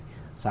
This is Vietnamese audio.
xã hội đất nước